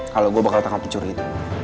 kalau gue bakal tangkap pencuri itu